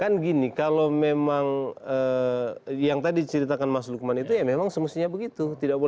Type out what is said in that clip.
kan gini kalau memang yang tadi ceritakan mas lukman itu ya memang semestinya begitu